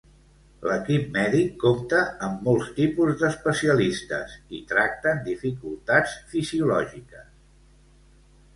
L'equip mèdic compta amb molts tipus d'especialistes i tracten dificultats fisiològiques.